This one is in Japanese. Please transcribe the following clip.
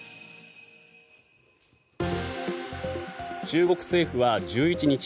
中国政府は１１日